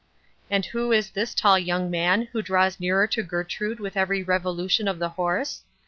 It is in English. And who is this tall young man who draws nearer to Gertrude with every revolution of the horse?